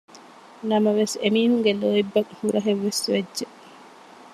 ނަމަވެސް އެމީހުންގެ ލޯތްބަށް ހުރަހެއްވެސް ވެއްޖެ